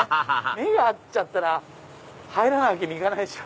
目が合っちゃったら入らないわけにいかないでしょ。